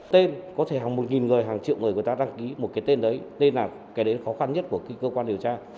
tên có thể hàng một nghìn người hàng triệu người người ta đăng ký một cái tên đấy nên là cái đấy khó khăn nhất của cơ quan điều tra